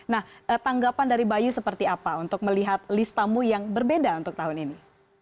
nah tanggapan dari bayu seperti apa untuk melihat listamu yang berbeda untuk tahun ini